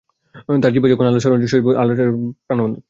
তার জিহ্বা তখন আল্লাহর স্মরণে সজীব ও আল্লাহর আয়াতসমূহ পাঠে প্রাণবন্ত।